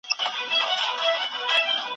له پاڼو تشه ونه